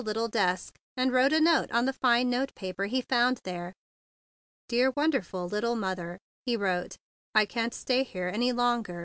little desk, and wrote a note on the fine note paper he found there. "Dear, wonderful little mother," he wrote, "I can't stay here any longer.